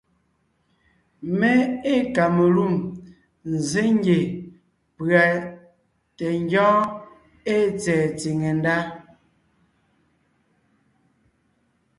Mé ée kamelûm nzsé ngie pʉ̀a tɛ ngyɔ́ɔn ée tsɛ̀ɛ tsìŋe ndá: